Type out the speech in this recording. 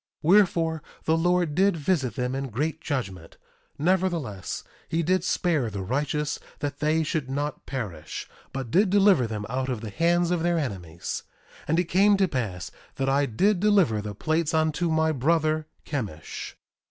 1:7 Wherefore, the Lord did visit them in great judgment; nevertheless, he did spare the righteous that they should not perish, but did deliver them out of the hands of their enemies. 1:8 And it came to pass that I did deliver the plates unto my brother Chemish.